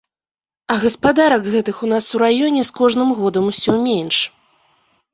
А гаспадарак гэтых у нас у раёне з кожным годам усё менш.